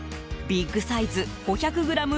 ビックサイズ５００ｇ